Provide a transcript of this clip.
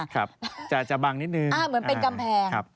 ครับจะบังนิดนึงเหมือนเป็นกำแพง